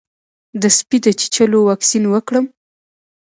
د سپي د چیچلو واکسین وکړم؟